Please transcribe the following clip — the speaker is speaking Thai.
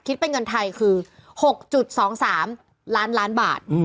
คิดเป็นเงินไทยคือ๖๒๓ล้านล้านบาท